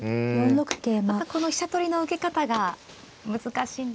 またこの飛車取りの受け方が難しいんですね。